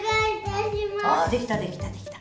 できた、できた、できた。